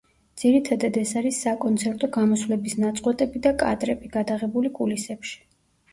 ძირითადად ეს არის საკონცერტო გამოსვლების ნაწყვეტები და კადრები, გადაღებული კულისებში.